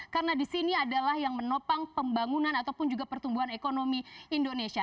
karena di sini adalah yang menopang pembangunan ataupun juga pertumbuhan ekonomi indonesia